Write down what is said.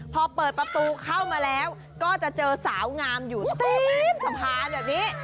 พอเปิดประตูเข้ามาแล้วก็จะเจอสาวงามอยู่เต็มสะพานแบบนี้